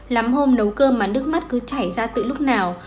lắm hôm nấu cơm mà nước mắt cứ chảy ra từ lúc nào